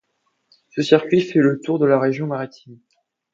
Ce circuit fait le tour de la région maritime.